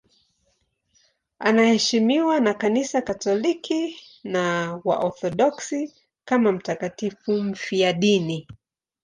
Anaheshimiwa na Kanisa Katoliki na Waorthodoksi kama mtakatifu mfiadini.